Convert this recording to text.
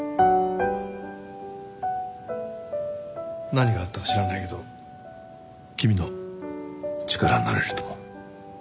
何があったか知らないけど君の力になれると思う。